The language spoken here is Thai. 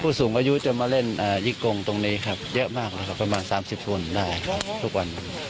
สูงอายุจะมาเล่นยี่กงตรงนี้ครับเยอะมากแล้วครับประมาณ๓๐คนได้ครับทุกวัน